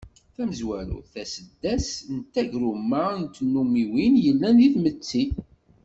Tamezwarut, taseddast d tagruma n tnummiwin yellan deg tmetti.